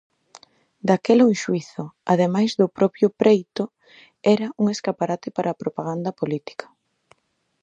Daquela un xuízo, ademais do propio preito, era un escaparate para a propaganda política.